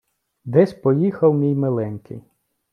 Десь поїхав мій миленький